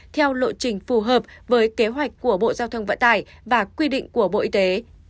theo lộ trình phù hợp với kế hoạch của bộ giao thông vận tải và quy định của bộ y tế